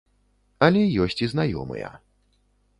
Але ёсць і знаёмыя.